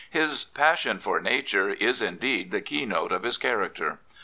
His passion for nature is, indeed, the keynote of his character.